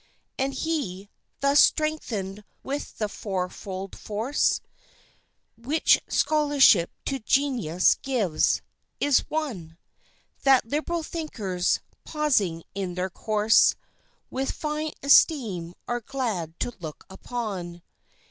And he, thus strengthened with the fourfold force Which scholarship to genius gives, is one That liberal thinkers, pausing in their course, With fine esteem are glad to look upon.